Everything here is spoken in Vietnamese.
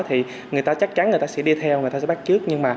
thì người ta chắc chắn người ta sẽ đi theo người ta sẽ bắt trước